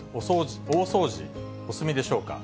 大掃除、お済みでしょうか。